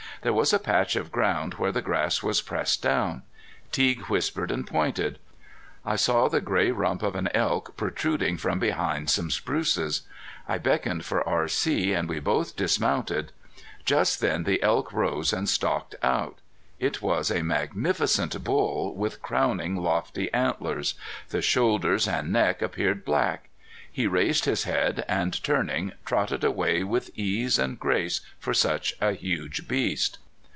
There was a patch of ground where the grass was pressed down. Teague whispered and pointed. I saw the gray rump of an elk protruding from behind some spruces. I beckoned for R.C. and we both dismounted. Just then the elk rose and stalked out. It was a magnificent bull with crowning lofty antlers. The shoulders and neck appeared black. He raised his head, and turning, trotted away with ease and grace for such a huge beast.